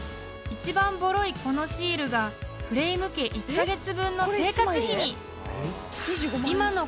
［一番ぼろいこのシールがフレイム家１カ月分の生活費に］